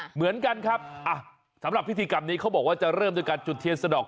เหมือนกันครับสำหรับพิธีกรรมนี้เขาบอกว่าจะเริ่มด้วยการจุดเทียนสะดอก